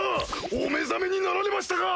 お目覚めになられましたか！